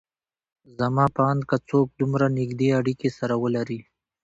زما په اند که څوک دومره نيږدې اړکې سره ولري